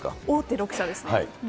大手６社ですね。